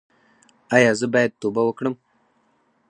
ایا زه باید توبه وکړم؟